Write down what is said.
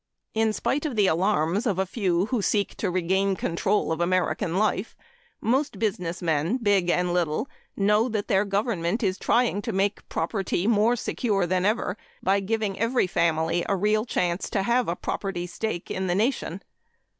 In spite of the alarms of a few who seek to regain control of American life, most businessmen, big and little, know that their government is trying to make property more secure than ever before by giving every family a real chance to have a property stake in the nation.